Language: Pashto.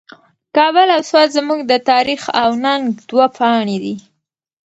کابل او سوات زموږ د تاریخ او ننګ دوه پاڼې دي.